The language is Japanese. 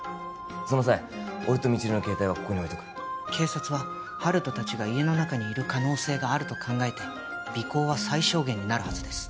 その際俺と未知留の携帯はここに置いとく警察は温人達が家の中にいる可能性があると考えて尾行は最小限になるはずです